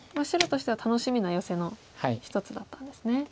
白としては楽しみなヨセの一つだったんですね。